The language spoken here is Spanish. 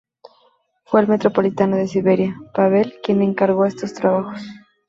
Fue el metropolitano de Siberia, Pavel, quien encargó estos trabajos.